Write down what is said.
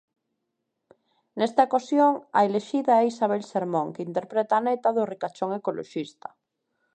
Nesta ocasión a elixida é Isabela Sermón, que interpreta a neta do ricachón ecoloxista.